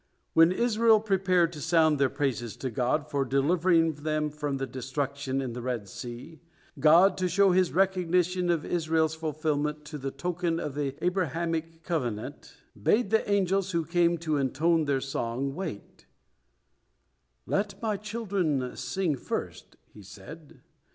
When Israel prepared to sound their praises to God for delivering them from destruction in the Red Sea, God, to show His recognition of Israel's fulfillment of the token of the Abrahamic covenant, bade the angels who came to intone their song, wait: "Let My children sing first," He said.